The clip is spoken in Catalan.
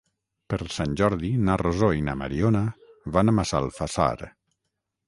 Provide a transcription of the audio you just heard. Per Sant Jordi na Rosó i na Mariona van a Massalfassar.